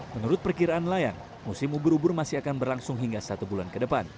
menurut perkiraan nelayan musim ubur ubur masih akan berlangsung hingga satu bulan ke depan